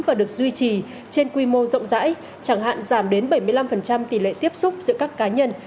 và được duy trì trên quy mô rộng rãi chẳng hạn giảm đến bảy mươi năm tỷ lệ tiếp xúc giữa các cá nhân